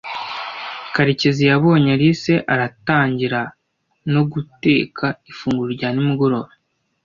Karekezi yabonye Alice ataratangira no guteka ifunguro rya nimugoroba.